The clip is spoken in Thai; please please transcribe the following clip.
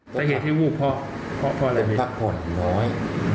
ใส่เหตุที่วูบพ่อพ่อแหลมมิเป็นพักผ่อนน้อย